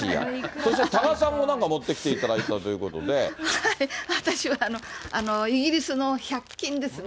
そして多賀さんもなんか持ってき私はイギリスの１００均ですね。